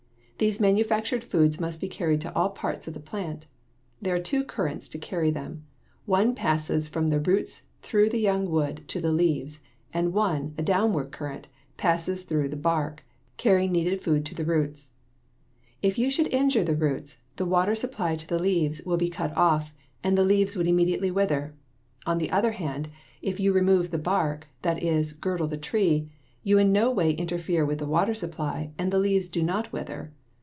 These manufactured foods must be carried to all parts of the plant. There are two currents to carry them. One passes from the roots through the young wood to the leaves, and one, a downward current, passes through the bark, carrying needed food to the roots (see Fig. 28). If you should injure the roots, the water supply to the leaves would be cut off and the leaves would immediately wither. On the other hand, if you remove the bark, that is, girdle the tree, you in no way interfere with the water supply and the leaves do not wither.